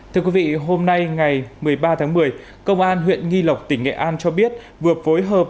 thưa quý vị hôm nay ngày một mươi ba tháng một mươi công an huyện nghi lộc tỉnh nghệ an cho biết vừa phối hợp